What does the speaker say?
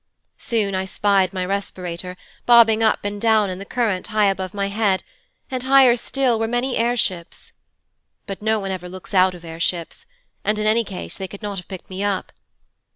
Soon I spied my respirator, bobbing up and down in the current high above my head, and higher still were many air ships. But no one ever looks out of air ships, and in any case they could not have picked me up.